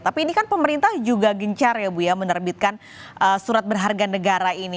tapi ini kan pemerintah juga gencar ya bu ya menerbitkan surat berharga negara ini